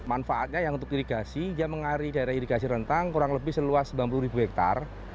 manfaatnya yang untuk irigasi dia mengari daerah irigasi rentang kurang lebih seluas sembilan puluh ribu hektare